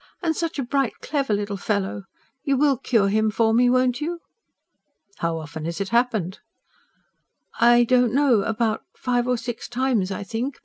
And such a bright, clever little fellow! You will cure him for me, won't you?" "How often has it happened?" "I don't know ... about five or six times, I think